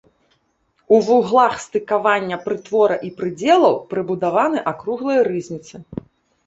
У вуглах стыкавання прытвора і прыдзелаў прыбудаваны акруглыя рызніцы.